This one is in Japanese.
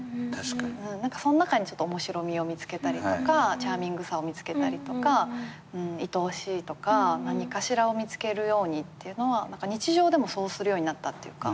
その中に面白みを見つけたりとかチャーミングさを見つけたりとかいとおしいとか何かしらを見つけるようにっていうのは日常でもそうするようになったっていうか。